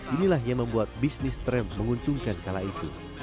inilah yang membuat bisnis tram menguntungkan kala itu